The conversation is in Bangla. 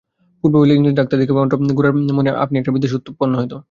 পূর্বে হইলে ইংরাজ ডাক্তার দেখিবামাত্র গোরার মনে আপনিই একটা বিদ্বেষ উৎপন্ন হইত।